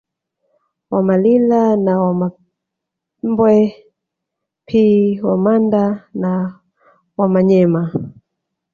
Wamalila na Wamambwe pi Wamanda na Wamanyema